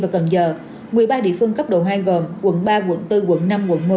và cần giờ một mươi ba địa phương cấp độ hai gồm quận ba quận bốn quận năm quận một mươi